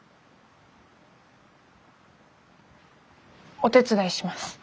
お手伝いします。